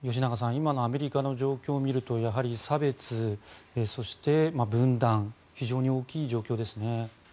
今のアメリカの状況を見るとやはり差別そして分断非常に大きい状況ですね。